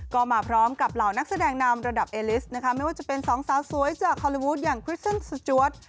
ก็มาพร้อมกับเหล่านักแสดงนำระดับเอลิสนะคะไม่ว่าจะเป็นสองสาวสวยจากฮอลลีวูดอย่างคริสเซิ่งสจวด